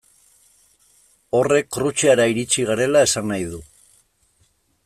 Horrek Krutxeara iritsi garela esan nahi du.